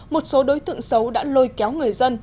một số đối tượng xấu đã lôi kéo người dân